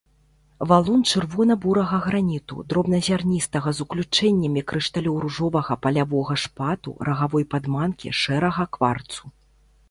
Валун чырвона-бурага граніту, дробназярністага з уключэннямі крышталёў ружовага палявога шпату, рагавой падманкі, шэрага кварцу.